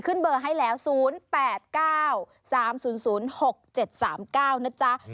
ขึ้นเบอร์ให้แล้ว๐๘๙๓๐๐๖๗๓๙นะจ๊ะ